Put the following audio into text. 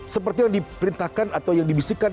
seperti yang diperintahkan atau yang dibisikkan